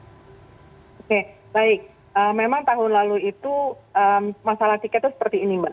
oke baik memang tahun lalu itu masalah tiketnya seperti ini mbak